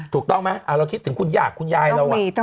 ถูกต้องไหมเราคิดถึงคุณหยากคุณยายเรา